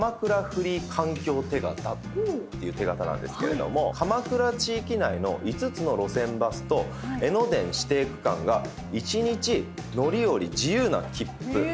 フリー環境手形っていう手形なんですけれども鎌倉地域内の５つの路線バスと江ノ電指定区間が１日乗り降り自由な切符。